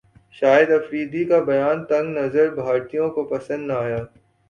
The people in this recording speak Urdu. شاہد افریدی کا بیان تنگ نظر بھارتیوں کو پسند نہ ایا